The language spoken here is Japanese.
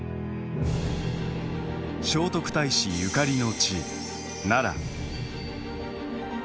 聖徳太子ゆかりの地奈良。